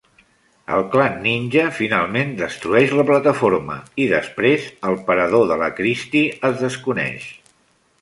El clan ninja finalment destrueix la plataforma i després el parador de la Christie es desconeix.